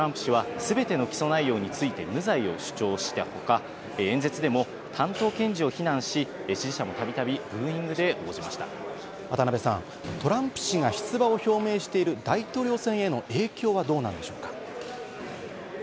ただ罪状認否でトランプ氏はすべての起訴内容について無罪を主張したほか、演説でも担当検事を非難し、支持者もたびたびブーイングで応渡邊さん、トランプ氏が出馬を表明している大統領選への影響はどうなんでしょうか？